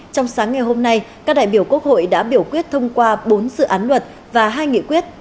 trong sáng ngày hôm nay các đại biểu quốc hội đã biểu quyết thông qua bốn dự án luật và hai nghị quyết